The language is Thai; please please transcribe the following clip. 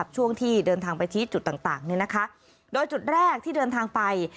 ช่วงที่เดินทางไปที่จุดต่างโดยจุดแรกที่เดินทางไป